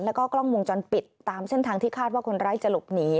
แล้วก็กล้องวงจรปิดตามเส้นทางที่คาดว่าคนร้ายจะหลบหนี